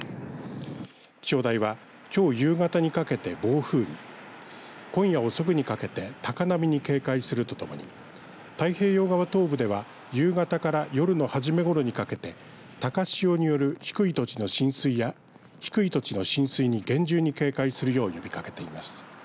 気象台はきょう夕方にかけて暴風に今夜遅くにかけて高波に警戒するとともに太平洋側東部では夕方から夜の初めごろにかけて高潮による低い土地の浸水に厳重に警戒するよう呼びかけています。